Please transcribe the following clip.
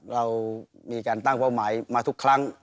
เรามีการตั้งเป้าหมายมาทุกครั้ง